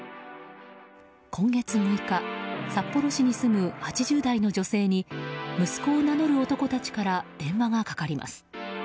今月６日札幌市に住む８０代の女性に息子を名乗る男たちから電話がかかります。